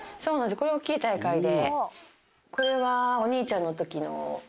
これ大っきい大会で。